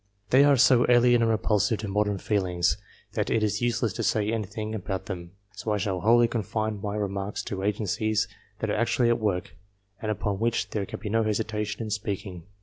They are so alien and repulsive to modern feelings, that it is useless to say anything about them, so I shall wholly confine my remarks to agencies that are actually at work, and upon which there can be no hesitation in speaking.